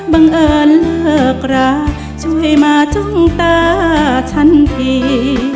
บังเอิญเลิกราช่วยมาจ้องตาฉันที